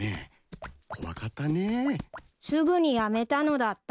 ［すぐにやめたのだった］